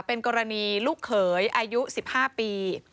เป็นกรณีลูกเขยอายุ๑๕ปี